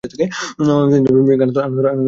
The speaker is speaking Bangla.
তিনি তার প্রেমিক আনাতোল ফ্রঁসের সাথে পরিচিত হন।